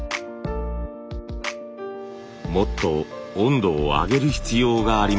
もっと温度を上げる必要がありました。